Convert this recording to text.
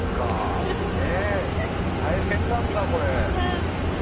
大変なんだ、これ。